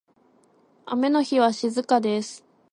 雨の日は静かです。